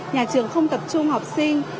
nhà trường không tập trung học sinh